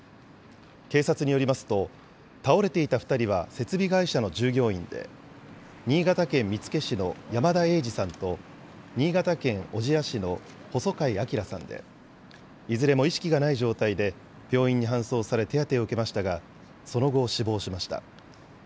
警察によりますと、倒れていた２人は設備会社の従業員で、新潟県見附市の山田栄二さんと、新潟県小千谷市の細貝彰さんで、いずれも意識がない状態で病院に搬送され手当てを受けましたが、その後、死亡しました。